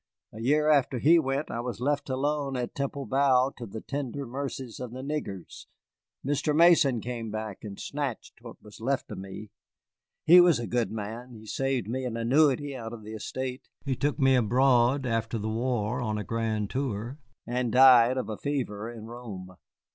A year after he went I was left alone at Temple Bow to the tender mercies of the niggers. Mr. Mason came back and snatched what was left of me. He was a good man; he saved me an annuity out of the estate, he took me abroad after the war on a grand tour, and died of a fever in Rome.